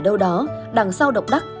đâu đó đằng sau độc đắc